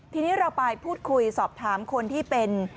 ทีนี้เราไปพูดคุยสอบถามคนที่เป็น